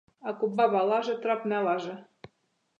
Ако баба лажи, трап не лажи.